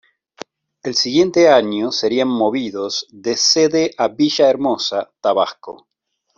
El siguiente año serían movidos de sede a Villahermosa, Tabasco.